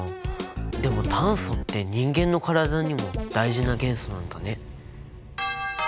でも炭素って人間の体にも大事な元素なんだね。